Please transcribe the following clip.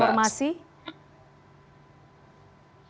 maksudnya masih bisa mengakses informasi